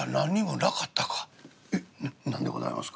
「えっ何でございますか？」。